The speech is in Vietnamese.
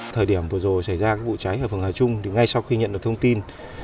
thời điểm vừa rồi xảy ra vụ cháy ở phường hà trung thì ngay sau khi nhận được thông tin